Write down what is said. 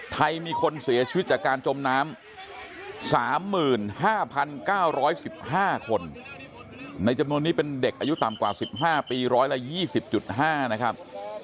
มีคนเสียชีวิตจากการจมน้ำ๓๕๙๑๕คนในจำนวนนี้เป็นเด็กอายุต่ำกว่า๑๕ปี๑๒๐๕นะครับ